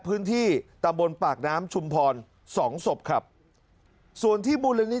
พื้นที่ตำบลปากน้ำชุมพรสองศพครับส่วนที่มูลนิธิ